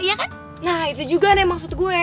iya kan nah itu juga nih maksud gue